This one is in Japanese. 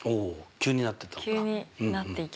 急になっていきました。